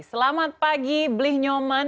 selamat pagi bli nyoman